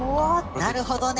なるほどね。